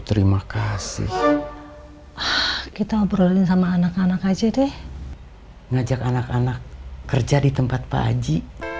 terima kasih kita ngobrolin sama anak anak aja deh ngajak anak anak kerja di tempat pak haji